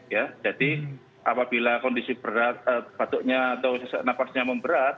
ya jadi apabila kondisi berat batuknya atau napasnya memberat